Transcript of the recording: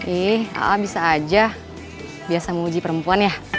ih a'a bisa aja biasa mau uji perempuan ya